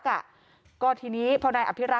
ความปลอดภัยของนายอภิรักษ์และครอบครัวด้วยซ้ำ